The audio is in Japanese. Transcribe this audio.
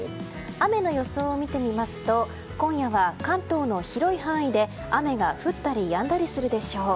雨の予想を見てみますと今夜は関東の広い範囲で雨が降ったりやんだりするでしょう。